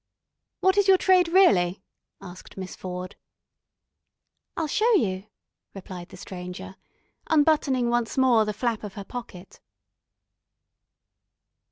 "What is your trade really?" asked Miss Ford. "I'll show you," replied the Stranger, unbuttoning once more the flap of her pocket.